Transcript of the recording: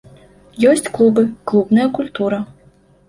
Ёсць клубы, клубная культура.